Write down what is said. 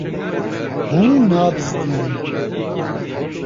Hûn nabizdînin.